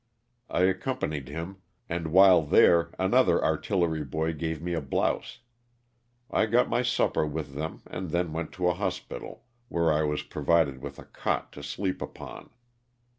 I accompanied him, and while there another artillery boy gave me a blouse. I got my supper with them and then went to a hospital where I was provided with a cot to sleep upon.